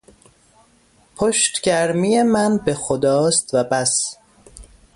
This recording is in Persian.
پشت گرمی من به خداست و بس.